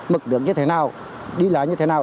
mực nước như thế nào đi lại như thế nào